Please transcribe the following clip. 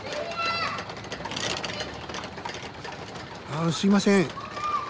ああすいません。